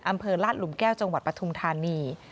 อำเภอลาดหลุมแก้วจังหวัดปทุมธานี